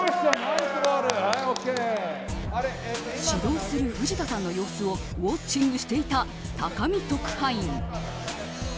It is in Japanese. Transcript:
指導する藤田さんの様子をウォッチングしていた高見特派員。